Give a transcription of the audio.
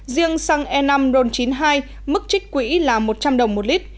riêng xăng e năm ron chín mươi hai mức trích quỹ là một trăm linh đồng một lít